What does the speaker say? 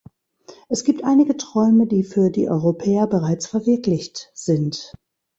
Es gibt einige Träume, die für die Europäer bereits verwirklicht sind.